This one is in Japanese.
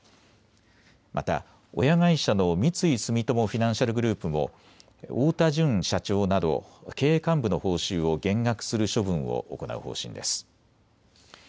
また親会社の三井住友フィナンシャルグループも太田純社長など経営幹部の報酬を減額する処分を行う方針です。